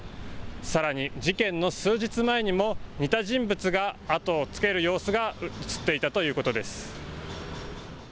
さらに事件の数日前にも似た人物が後をつける様子が写っていたということです。